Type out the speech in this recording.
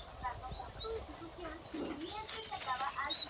Feb-Mar, fr.